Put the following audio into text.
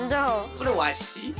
それわし？